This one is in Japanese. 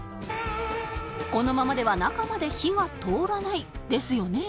このままでは中まで火が通らないですよね